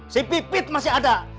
si pipit masih ada